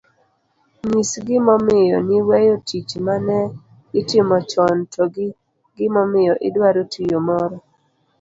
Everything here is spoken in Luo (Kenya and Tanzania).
Nyis gimomiyo niweyo tich ma ne itimo chon to gi gimomiyo idwaro tiyo moro